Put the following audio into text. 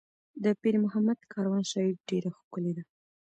د پیر محمد کاروان شاعري ډېره ښکلې ده.